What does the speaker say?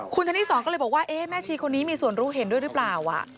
คุณธนิสรก็เลยบอกว่าแม่ชีคนนี้มีส่วนรู้เห็นด้วยหรือเปล่า